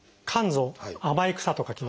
「甘い草」と書きます。